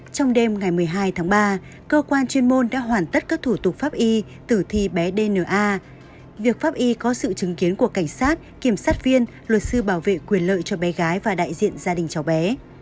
trong đêm ngày một mươi hai tháng ba cơ quan chuyên môn đã hoàn tất các thủ tục pháp y tử thi bé dna việc pháp y có sự chứng kiến của cảnh sát kiểm sát viên luật sư bảo vệ quyền lợi cho bé gái và đại diện gia đình cháu bé